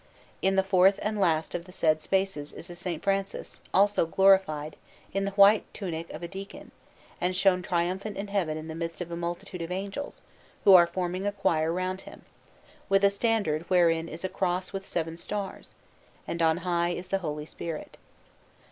In the fourth and last of the said spaces is a S. Francis, also glorified, in the white tunic of a deacon, and shown triumphant in Heaven in the midst of a multitude of angels who are forming a choir round him, with a standard whereon is a Cross with seven stars; and on high is the Holy Spirit.